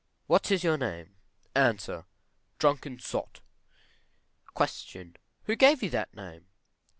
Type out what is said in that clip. _ What is your name? Answer. Drunken Sot. Q. Who gave you that name?